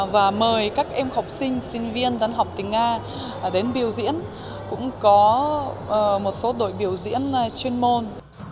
và mời các em học sinh sinh viên đắn học tình nga đến biểu diễn cũng có một số đội biểu diễn chuyên môn